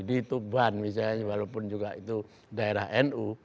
di tuban misalnya walaupun juga itu daerah nu